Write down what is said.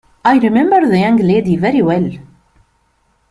I remember the young lady very well.